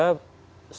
sekali masa sekali